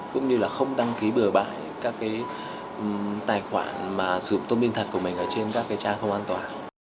cũng như là không đăng ký bừa bãi các tài khoản mà sử dụng thông tin thật của mình ở trên các trang không an toàn